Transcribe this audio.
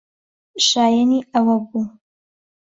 شایەنی ئەوە بوو.